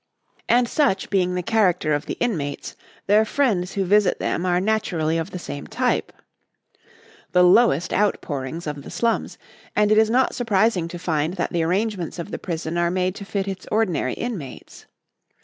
And such being the character of the inmates, their friends who visit them are naturally of the same type the lowest outpourings of the slums; and it is not surprising to find that the arrangements of the prison are made to fit its ordinary inmates.